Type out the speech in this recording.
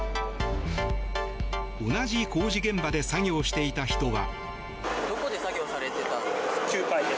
同じ工事現場で作業していた人は。